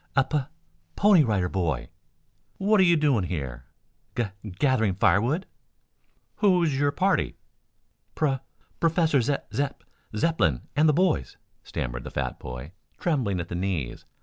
"A Pu Pony Rider Boy." "What are you doing here?" "Ga gathering firewood." "Who is your party?" "Pro professor Ze Zep Zepplin and the boys," stammered the fat boy, trembling at the knees.